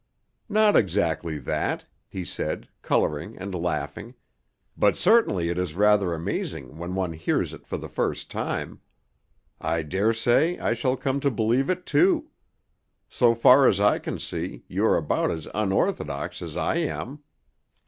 "Not exactly that," he said, coloring and laughing, "but certainly it is rather amazing when one hears it for the first time. I daresay I shall come to believe it too. So far as I can see, you are about as unorthodox as I am."